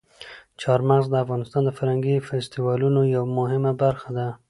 چار مغز د افغانستان د فرهنګي فستیوالونو یوه مهمه برخه ده.